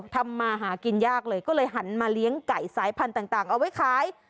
ทำมาหากินยากเลยก็เลยหันมาเลี้ยงไก่สายพันธุ์ต่างเอาไว้ขาย